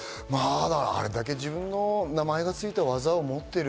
あれだけ自分の名前がついた技を持っている。